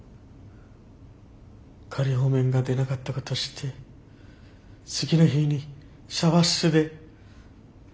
仮放免が出なかったこと知って次の日にシャワー室で。